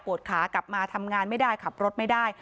ขากลับมาทำงานไม่ได้ขับรถไม่ได้